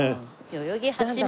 代々木八幡。